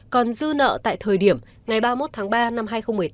còn dư nợ tại thời điểm ngày ba mươi một tháng ba năm hai nghìn một mươi tám